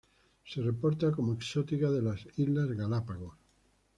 Se reporta como exótica de las Islas Galápagos.